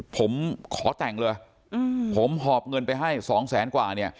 ผมขอแต่งเลยผมหอบเงินไปให้สองแสนกว่าเนี่ย